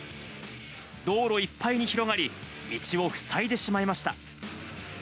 道路いっぱいに広がり、道を塞いでしまいました。